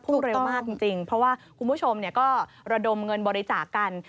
เร็วมากจริงเพราะว่าคุณผู้ชมก็ระดมเงินบริจาคกัน